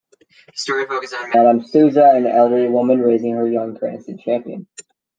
The story focuses on Madame Souza, an elderly woman raising her young grandson, Champion.